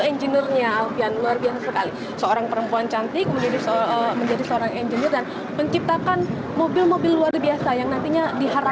ini memang bisa diperkirakan juga sebagai mobil yang terbaik dari mana saja untuk menjual mobil yang ada di sini